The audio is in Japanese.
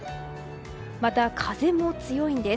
また、風も強いんです。